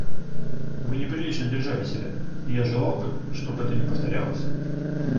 Вы неприлично держали себя, и я желал бы, чтоб это не повторялось.